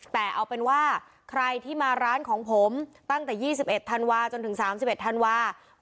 แต่เอาเป็นว่าใครที่มาร้านของผมตั้งแต่๒๑ธันวาจนถึง๓๑ธันวาคม